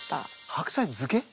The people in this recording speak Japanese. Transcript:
白菜漬け！？